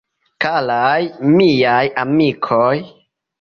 Karaj Miaj Amikoj!